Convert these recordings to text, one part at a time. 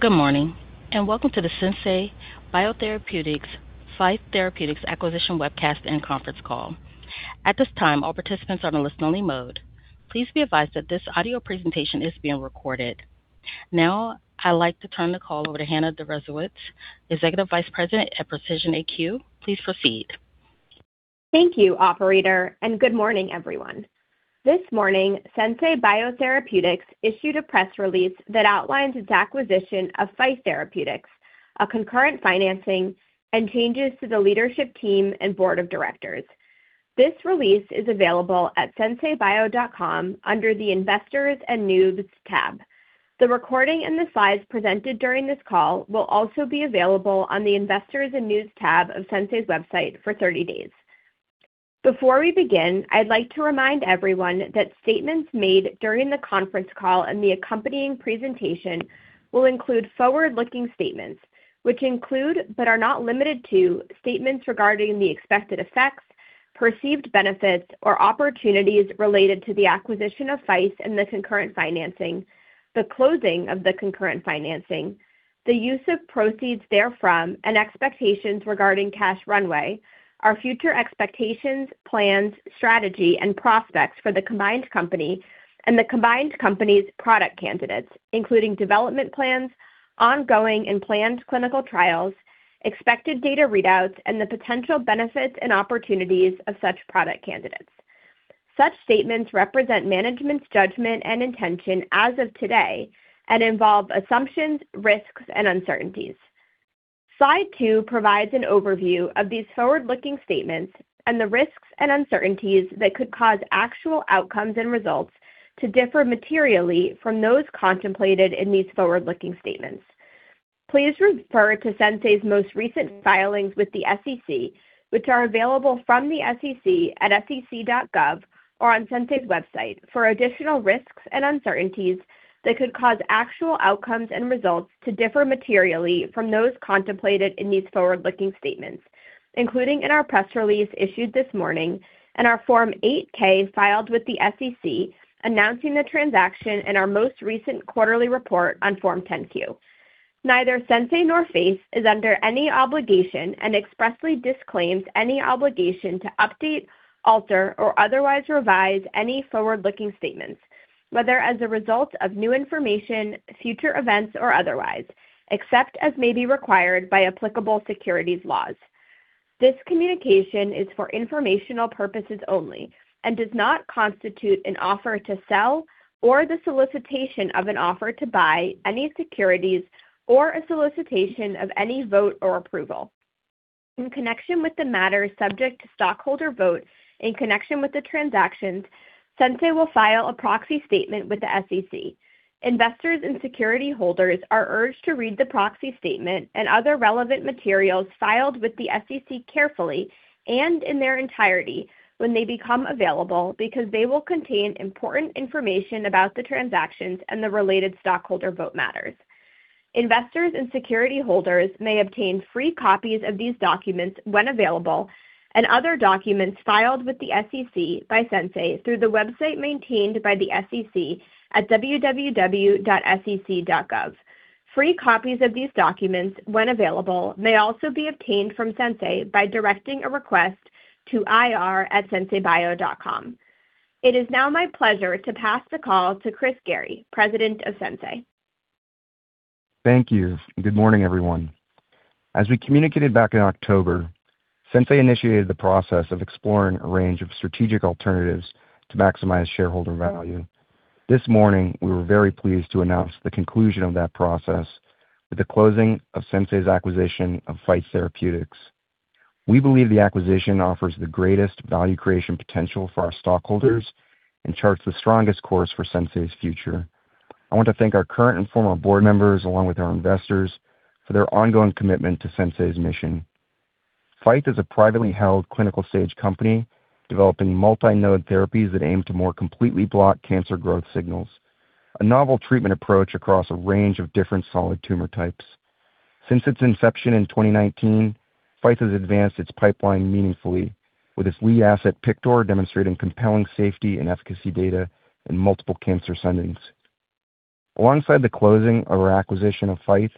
Good morning, and welcome to the Sensei Biotherapeutics, Faeth Therapeutics Acquisition Webcast and conference call. At this time, all participants are in listen-only mode. Please be advised that this audio presentation is being recorded. Now I'd like to turn the call over to Hannah Deresiewicz, Executive Vice President at Precision AQ. Please proceed. Thank you, operator, and good morning, everyone. This morning, Sensei Biotherapeutics issued a press release that outlines its acquisition of Faeth Therapeutics, a concurrent financing and changes to the leadership team and board of directors. This release is available at senseibio.com under the Investors and News tab. The recording and the slides presented during this call will also be available on the Investors and News tab of Sensei's website for 30 days. Before we begin, I'd like to remind everyone that statements made during the conference call and the accompanying presentation will include forward-looking statements, which include, but are not limited to, statements regarding the expected effects, perceived benefits, or opportunities related to the acquisition of Faeth and the concurrent financing, the closing of the concurrent financing, the use of proceeds therefrom, and expectations regarding cash runway, our future expectations, plans, strategy, and prospects for the combined company and the combined company's product candidates, including development plans, ongoing and planned clinical trials, expected data readouts, and the potential benefits and opportunities of such product candidates. Such statements represent management's judgment and intention as of today and involve assumptions, risks, and uncertainties. Slide two provides an overview of these forward-looking statements and the risks and uncertainties that could cause actual outcomes and results to differ materially from those contemplated in these forward-looking statements. Please refer to Sensei's most recent filings with the SEC, which are available from the SEC at sec.gov or on Sensei's website, for additional risks and uncertainties that could cause actual outcomes and results to differ materially from those contemplated in these forward-looking statements, including in our press release issued this morning and our Form 8-K filed with the SEC, announcing the transaction in our most recent quarterly report on Form 10-Q. Neither Sensei nor Faeth is under any obligation and expressly disclaims any obligation to update, alter, or otherwise revise any forward-looking statements, whether as a result of new information, future events, or otherwise, except as may be required by applicable securities laws. This communication is for informational purposes only and does not constitute an offer to sell or the solicitation of an offer to buy any securities or a solicitation of any vote or approval. In connection with the matters subject to stockholder votes in connection with the transactions, Sensei will file a proxy statement with the SEC. Investors and security holders are urged to read the proxy statement and other relevant materials filed with the SEC carefully and in their entirety when they become available, because they will contain important information about the transactions and the related stockholder vote matters. Investors and security holders may obtain free copies of these documents when available, and other documents filed with the SEC by Sensei through the website maintained by the SEC at www.sec.gov. Free copies of these documents, when available, may also be obtained from Sensei by directing a request to ir@senseibio.com. It is now my pleasure to pass the call to Chris Gerry, President of Sensei. Thank you. Good morning, everyone. As we communicated back in October, Sensei initiated the process of exploring a range of strategic alternatives to maximize shareholder value. This morning, we were very pleased to announce the conclusion of that process with the closing of Sensei's acquisition of Faeth Therapeutics. We believe the acquisition offers the greatest value creation potential for our stockholders and charts the strongest course for Sensei's future. I want to thank our current and former board members, along with our investors, for their ongoing commitment to Sensei's mission. Faeth is a privately held clinical-stage company developing multi-node therapies that aim to more completely block cancer growth signals, a novel treatment approach across a range of different solid tumor types. Since its inception in 2019, Faeth has advanced its pipeline meaningfully, with its lead asset, PIKTOR, demonstrating compelling safety and efficacy data in multiple cancer settings. Alongside the closing of our acquisition of Faeth,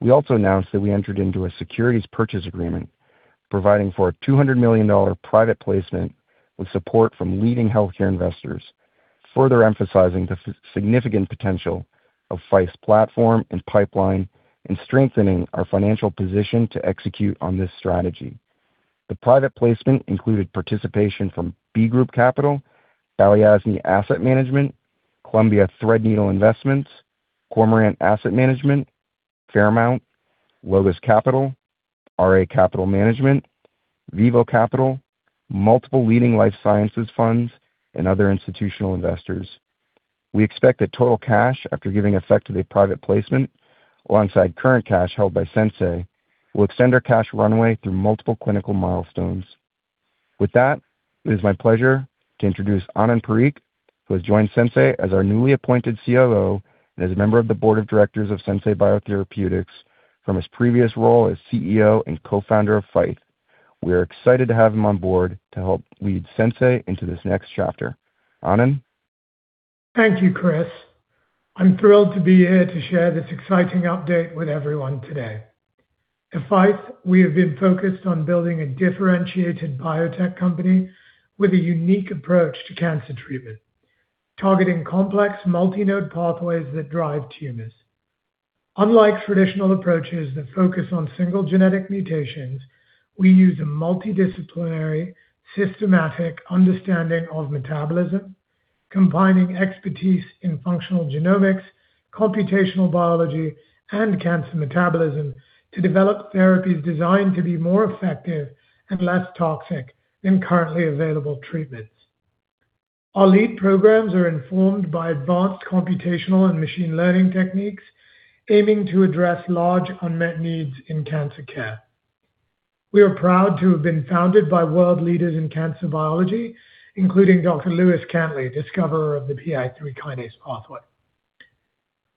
we also announced that we entered into a securities purchase agreement providing for a $200 million private placement with support from leading healthcare investors, further emphasizing the significant potential of Faeth's platform and pipeline and strengthening our financial position to execute on this strategy. The private placement included participation from B Group Capital, Balyasny Asset Management, Columbia Threadneedle Investments, Cormorant Asset Management, Fairmount, Logos Capital, RA Capital Management, Vivo Capital, multiple leading life sciences funds, and other institutional investors. We expect that total cash, after giving effect to the private placement alongside current cash held by Sensei, will extend our cash runway through multiple clinical milestones. With that, it is my pleasure to introduce Anand Parikh, who has joined Sensei as our newly appointed COO and as a member of the board of directors of Sensei Biotherapeutics from his previous role as CEO and co-founder of Faeth. We are excited to have him on board to help lead Sensei into this next chapter. Anand? Thank you, Chris. I'm thrilled to be here to share this exciting update with everyone today. At Faeth, we have been focused on building a differentiated biotech company with a unique approach to cancer treatment, targeting complex multi-node pathways that drive tumors. Unlike traditional approaches that focus on single genetic mutations, we use a multidisciplinary, systematic understanding of metabolism, combining expertise in functional genomics, computational biology, and cancer metabolism to develop therapies designed to be more effective and less toxic than currently available treatments. Our lead programs are informed by advanced computational and machine learning techniques, aiming to address large unmet needs in cancer care. We are proud to have been founded by world leaders in cancer biology, including Dr. Lewis Cantley, discoverer of the PI3 kinase pathway.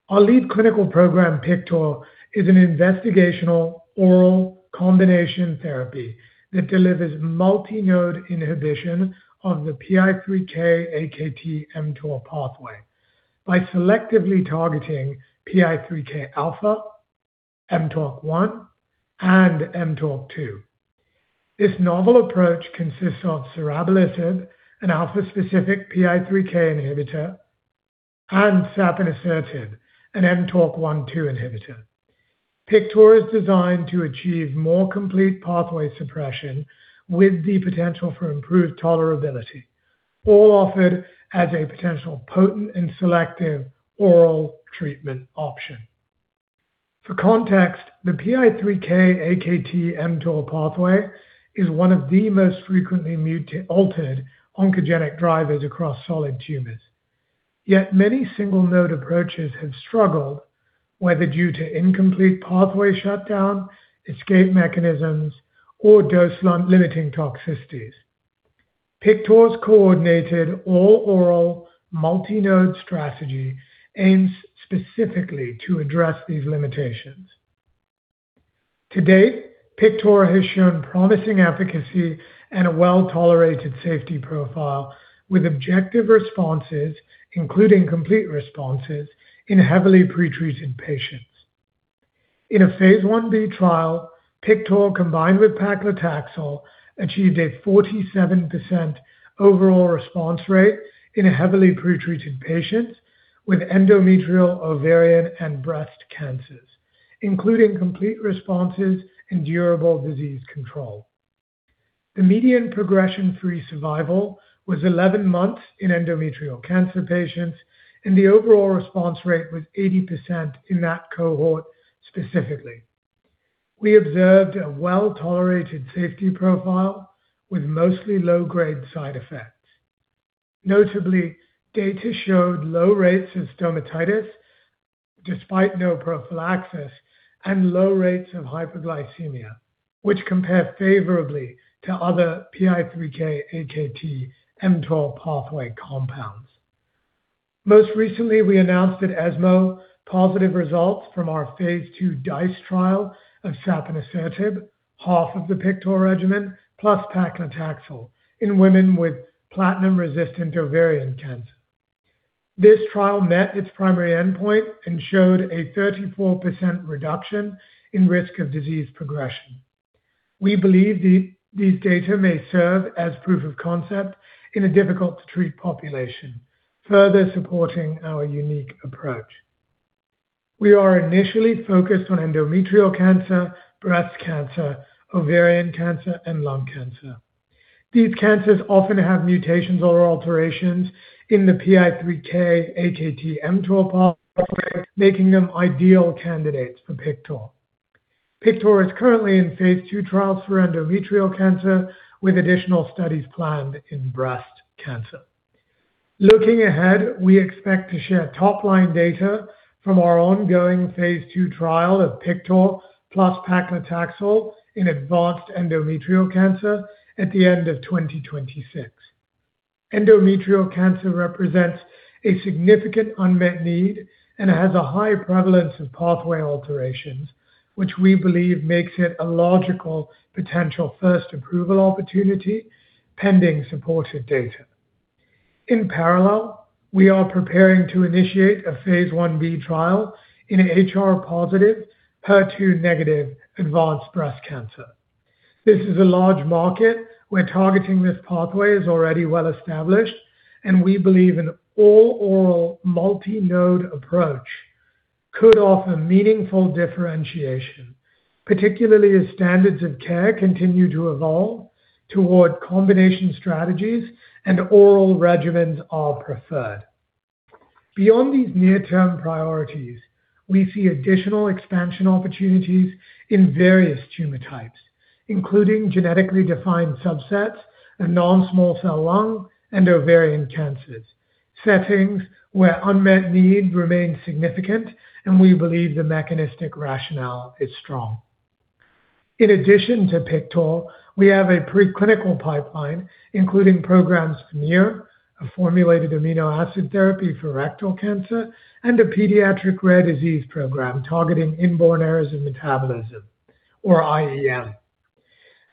Our lead clinical program, PIKTOR, is an investigational oral combination therapy that delivers multi-node inhibition of the PI3K/AKT/mTOR pathway by selectively targeting PI3K alpha, mTORC1, and mTORC2. This novel approach consists of serabelisib, an alpha-specific PI3K inhibitor, and sapanisertib, an mTORC1/2 inhibitor. PIKTOR is designed to achieve more complete pathway suppression with the potential for improved tolerability, all offered as a potential potent and selective oral treatment option. For context, the PI3K/AKT/mTOR pathway is one of the most frequently altered oncogenic drivers across solid tumors. Yet many single-node approaches have struggled, whether due to incomplete pathway shutdown, escape mechanisms, or dose-limiting toxicities. PIKTOR's coordinated all-oral multi-node strategy aims specifically to address these limitations. To date, PIKTOR has shown promising efficacy and a well-tolerated safety profile, with objective responses, including complete responses, in heavily pre-treated patients. In a phase I-B trial, PIKTOR, combined with paclitaxel, achieved a 47% overall response rate in heavily pre-treated patients with endometrial, ovarian, and breast cancers, including complete responses and durable disease control. The median progression-free survival was 11 months in endometrial cancer patients, and the overall response rate was 80% in that cohort specifically. We observed a well-tolerated safety profile with mostly low-grade side effects. Notably, data showed low rates of stomatitis, despite no prophylaxis and low rates of hyperglycemia, which compare favorably to other PI3K/AKT/mTOR pathway compounds. Most recently, we announced at ESMO positive results from our phase II DICE trial of sapanisertib, half of the PIKTOR regimen, plus paclitaxel in women with platinum-resistant ovarian cancer. This trial met its primary endpoint and showed a 34% reduction in risk of disease progression. We believe these data may serve as proof of concept in a difficult-to-treat population, further supporting our unique approach. We are initially focused on endometrial cancer, breast cancer, ovarian cancer, and lung cancer. These cancers often have mutations or alterations in the PI3K/AKT/mTOR pathway, making them ideal candidates for PIKTOR. PIKTOR is currently in phase II trials for endometrial cancer, with additional studies planned in breast cancer. Looking ahead, we expect to share top-line data from our ongoing phase II trial of PIKTOR plus paclitaxel in advanced endometrial cancer at the end of 2026. Endometrial cancer represents a significant unmet need and has a high prevalence of pathway alterations, which we believe makes it a logical potential first approval opportunity, pending supportive data. In parallel, we are preparing to initiate a phase I-B trial in HR-positive, HER2 negative advanced breast cancer. This is a large market where targeting this pathway is already well established, and we believe an all-oral multi-node approach could offer meaningful differentiation, particularly as standards of care continue to evolve toward combination strategies and oral regimens are preferred. Beyond these near-term priorities, we see additional expansion opportunities in various tumor types, including genetically defined subsets and non-small cell lung and ovarian cancers, settings where unmet need remains significant, and we believe the mechanistic rationale is strong. In addition to PIKTOR, we have a preclinical pipeline, including programs from Faeth, a formulated amino acid therapy for rectal cancer, and a pediatric rare disease program targeting inborn errors of metabolism or IEM.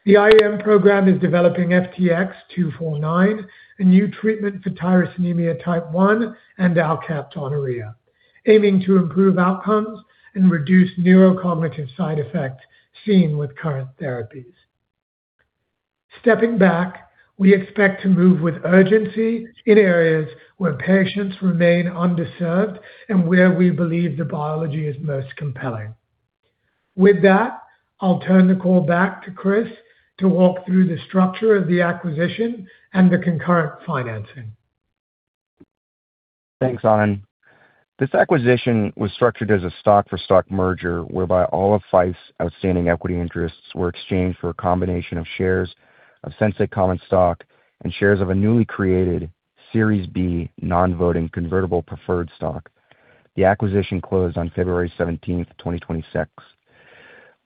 The IEM program is developing FTX 249, a new treatment for tyrosinemia type 1 and alkaptonuria, aiming to improve outcomes and reduce neurocognitive side effects seen with current therapies. Stepping back, we expect to move with urgency in areas where patients remain underserved and where we believe the biology is most compelling. With that, I'll turn the call back to Chris to walk through the structure of the acquisition and the concurrent financing. Thanks, Anand. This acquisition was structured as a stock-for-stock merger, whereby all of Faeth's outstanding equity interests were exchanged for a combination of shares of Sensei common stock and shares of a newly created Series B non-voting convertible preferred stock. The acquisition closed on February 17, 2026.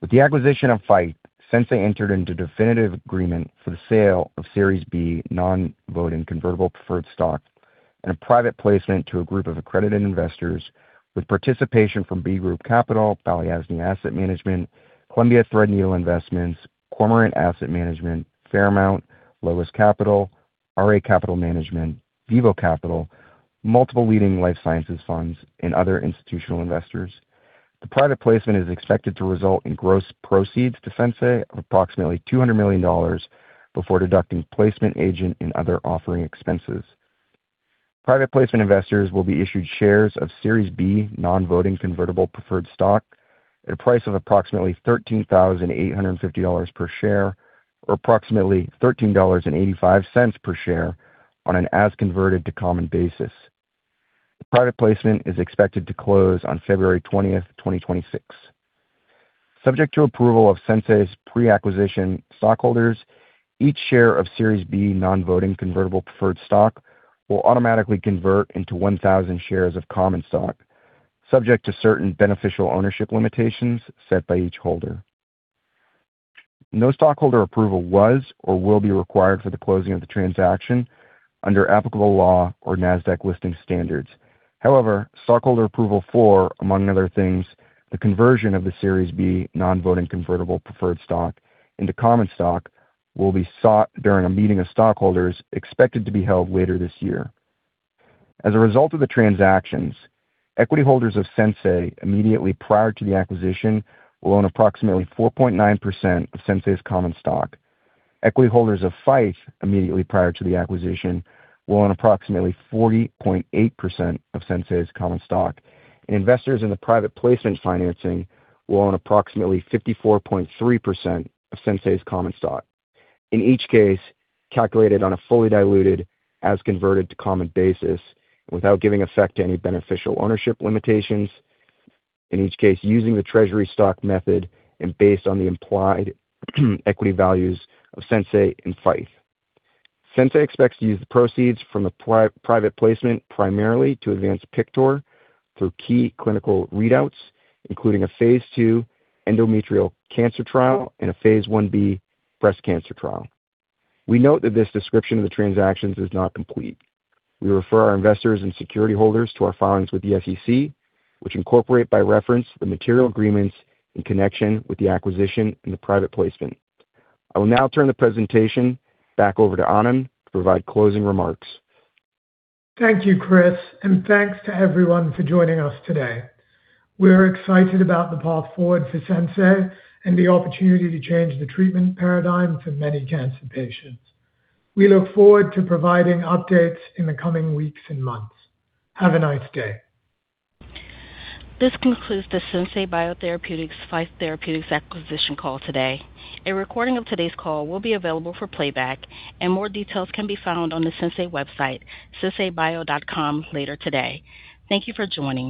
With the acquisition of Faeth, Sensei entered into a definitive agreement for the sale of Series B non-voting convertible preferred stock and a private placement to a group of accredited investors with participation from B Group Capital, Ballyasnee Asset Management, Columbia Threadneedle Investments, Cormorant Asset Management, Fairmount, Logos Capital, RA Capital Management, Vivo Capital, multiple leading life sciences funds, and other institutional investors. The private placement is expected to result in gross proceeds to Sensei of approximately $200 million before deducting placement, agent, and other offering expenses. Private placement investors will be issued shares of Series B non-voting convertible preferred stock at a price of approximately $13,850 per share, or approximately $13.85 per share on an as converted to common basis. The private placement is expected to close on February 20, 2026. Subject to approval of Sensei's pre-acquisition stockholders, each share of Series B non-voting convertible preferred stock will automatically convert into 1,000 shares of common stock, subject to certain beneficial ownership limitations set by each holder. No stockholder approval was or will be required for the closing of the transaction under applicable law or NASDAQ listing standards. However, stockholder approval for, among other things, the conversion of the Series B non-voting convertible preferred stock into common stock, will be sought during a meeting of stockholders expected to be held later this year. As a result of the transactions, equity holders of Sensei immediately prior to the acquisition will own approximately 4.9% of Sensei's common stock. Equity holders of Faeth immediately prior to the acquisition will own approximately 40.8% of Sensei's common stock, and investors in the private placement financing will own approximately 54.3% of Sensei's common stock. In each case, calculated on a fully diluted as converted to common basis, without giving effect to any beneficial ownership limitations, in each case, using the treasury stock method and based on the implied equity values of Sensei and Faeth. Sensei expects to use the proceeds from the private placement primarily to advance PIKTOR for key clinical readouts, including a phase II endometrial cancer trial and a phase I-B breast cancer trial. We note that this description of the transactions is not complete. We refer our investors and security holders to our filings with the SEC, which incorporate, by reference, the material agreements in connection with the acquisition and the private placement. I will now turn the presentation back over to Anand to provide closing remarks. Thank you, Chris, and thanks to everyone for joining us today. We're excited about the path forward for Sensei and the opportunity to change the treatment paradigm for many cancer patients. We look forward to providing updates in the coming weeks and months. Have a nice day. This concludes the Sensei Biotherapeutics-Faeth Therapeutics acquisition call today. A recording of today's call will be available for playback, and more details can be found on the Sensei website, senseibio.com, later today. Thank you for joining.